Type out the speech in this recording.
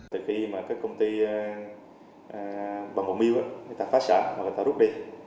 từ khi các công ty bằng bồng mưu phát sản và rút đi